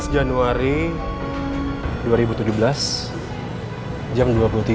lima belas januari dua ribu tujuh belas jam dua puluh tiga tujuh belas